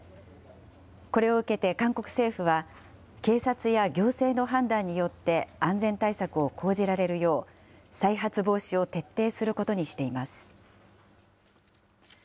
これを受けて韓国政府は、警察や行政の判断によって安全対策を講じられるよう、再発防止を徹底することにしています。